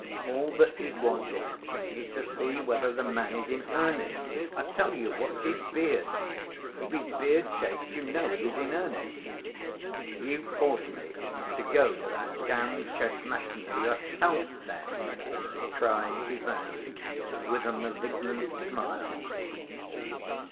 All that is wanted is to see whether the man is in earnest. I tell you, watch his beard—if his beard shakes you know he is in earnest." "You force me to go to that damned Tchermashnya yourself, then?" cried Ivan, with a malignant smile.